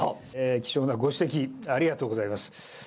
貴重なご指摘、ありがとうございます。